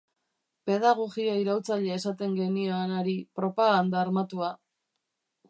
Pedagogia iraultzailea esaten genioan hari, propaganda armatua.